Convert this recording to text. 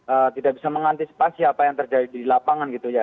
ee tidak bisa mengantisipasi apa yang terjadi di lapangan gitu ya